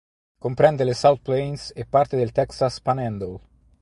Comprende le South Plains e parte del Texas Panhandle.